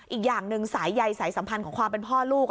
อีกอย่างหนึ่งสายใยสายสัมพันธ์ของความเป็นพ่อลูก